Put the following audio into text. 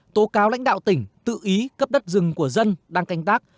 tố cáo lãnh đạo tỉnh tự ý cấp đất rừng của dân đang canh tác